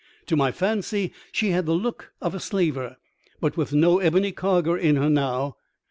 To my fancy she had the look of a slaver, but with no ebony cargo in her now.